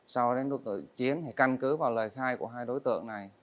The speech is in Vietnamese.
sau đó đối tượng chiến cân cứ vào lời khai của hai đối tượng này